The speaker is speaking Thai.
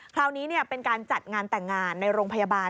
คราวนี้เป็นการจัดงานแต่งงานในโรงพยาบาล